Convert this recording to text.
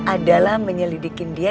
adalah menyelidikin dia